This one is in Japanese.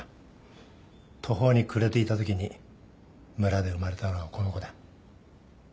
途方に暮れていたときに村で生まれたのがこの子だ。